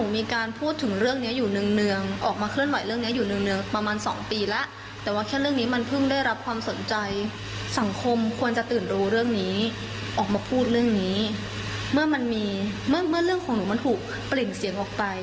เมื่อเรื่องของหนูมันถูกปริ่งเสียงออกไป